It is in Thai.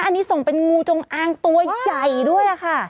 อันนี้ส่งเป็นงูจงอางตัวใหญ่ด้วยค่ะ